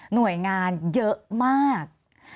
หน่วยงานเยอะมาก